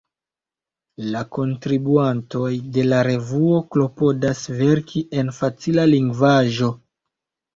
La kontribuantoj de la revuo klopodas verki en facila lingvaĵo.